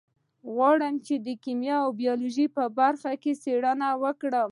زه غواړم چې د کیمیا او بیولوژي په برخه کې څیړنه وکړم